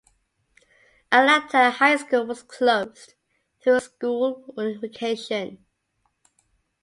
Atlanta High School was closed through school unification.